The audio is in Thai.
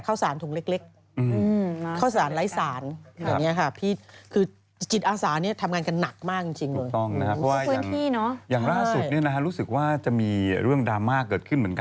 อย่างล่าสุดเนี่ยนะครับรู้สึกว่าจะมีเรื่องดรามะเกิดขึ้นเหมือนกัน